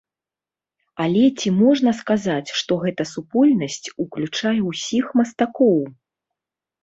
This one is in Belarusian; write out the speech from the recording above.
Але ці можна сказаць, што гэта супольнасць уключае ўсіх мастакоў?